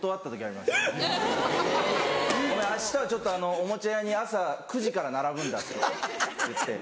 「ごめん明日はちょっとおもちゃ屋に朝９時から並ぶんだ」って言って。